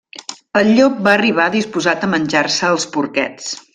El llop va arribar disposat a menjar-se els porquets.